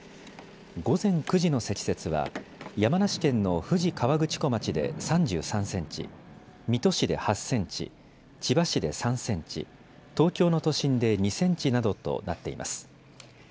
午前９時の積雪は山梨県の富士河口湖町で３３センチ、水戸市で８センチ、千葉市で３センチ、東京の都心で２センチなどとなっています。